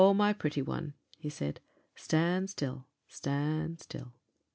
my pretty one,' he said, 'stand still, stand still.'